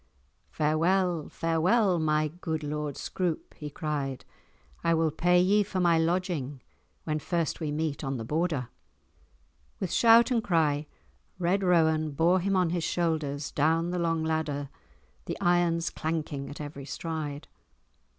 Farewell, farewell, my good Lord Scroope," he cried. "I will pay ye for my lodging when first we meet on the Border." With shout and cry Red Rowan bore him on his shoulders down the long ladder, the irons clanking at every stride.